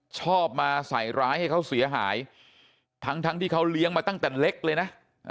ชอบมาใส่ร้ายให้เขาเสียหายทั้งที่เขาเลี้ยงมาตั้งแต่เล็กเลยนะ